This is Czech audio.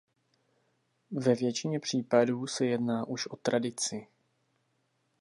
Ve většině případů se jedná už o tradici.